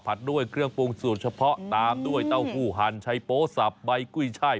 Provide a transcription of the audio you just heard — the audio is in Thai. ด้วยเครื่องปรุงสูตรเฉพาะตามด้วยเต้าหู้หั่นใช้โป๊สับใบกุ้ยช่าย